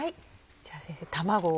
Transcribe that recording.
じゃあ先生卵を。